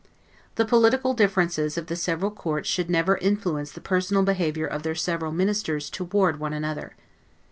The political differences of the several courts should never influence the personal behavior of their several ministers toward one another.